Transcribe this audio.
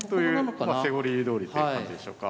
セオリーどおりという感じでしょうか。